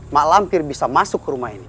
mak lampir bisa masuk ke rumah ini